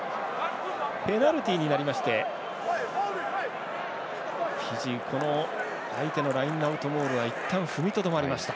ペナルティになりましてフィジー相手のラインアウトボールはいったん踏みとどまりました。